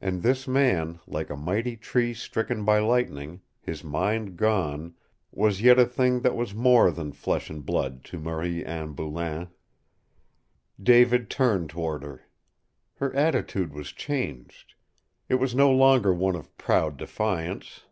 And this man, like a mighty tree stricken by lightning, his mind gone, was yet a thing that was more than mere flesh and blood to Marie Anne Boulain! David turned toward her. Her attitude was changed. It was no longer one of proud defiance.